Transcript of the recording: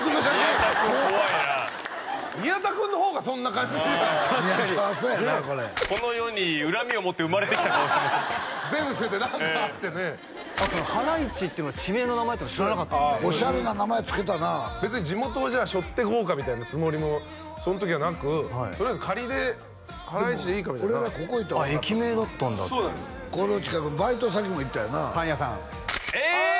宮田君怖いな宮田君の方がそんな感じじゃない宮田はそやなこれこの世に恨みを持って生まれてきた顔してますね前世で何かあってねハライチっていうのが地名の名前っていうの知らなかったんでオシャレな名前つけたな別に地元をじゃあしょってこうかみたいなつもりもその時はなくとりあえず仮でハライチでいいかみたいな俺らここ行ったら分かったもんなあっ駅名だったんだってこの近くバイト先も行ったよなパン屋さんええ！